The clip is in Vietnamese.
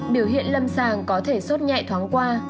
biểu hiện lâm sàng có thể sốt nhẹ thoáng qua